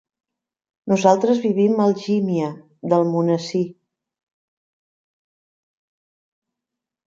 Nosaltres vivim a Algímia d'Almonesir.